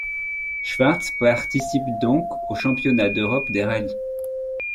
Schwarz participe donc au Championnat d'Europe des rallyes.